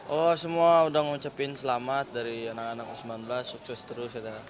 oh semua udah ngucapin selamat dari anak anak u sembilan belas sukses terus